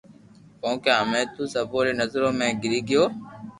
ڪونڪھ ھمي تو سبو ري نظرو ۾ گيري گيو